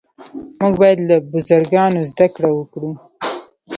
موږ باید له بزرګانو زده کړه وکړو.